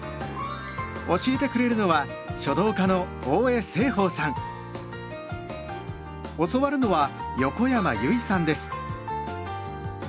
教えてくれるのは教わるのは横山由依さんです。